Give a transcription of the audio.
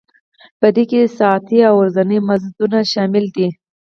په دې کې ساعتي او ورځني مزدونه شامل دي